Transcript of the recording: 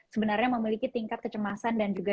sebenarnya memiliki tingkat kecemasan dan juga